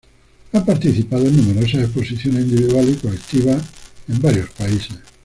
Ha participado en numerosas exposiciones individuales y colectivas en varios países.